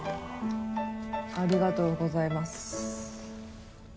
ありがとうございます。